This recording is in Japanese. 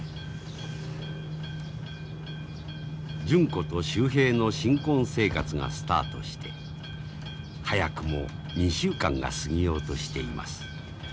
純子と秀平の新婚生活がスタートして早くも２週間が過ぎようとしています。